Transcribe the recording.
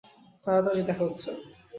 তাড়াতাড়িই দেখা হচ্ছে।